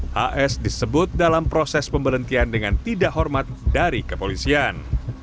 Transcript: hs disebut dalam proses pemberhentian dengan tidak hormat dari kepolisian